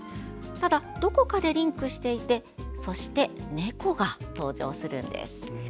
ただ、どこかでリンクしていてそして猫が登場するんです。